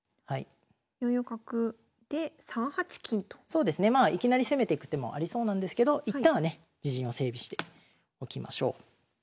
そうですねまあいきなり攻めてく手もありそうなんですけど一旦はね自陣を整備しておきましょう。